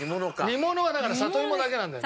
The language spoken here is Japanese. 煮物はだから里芋だけなんだよね。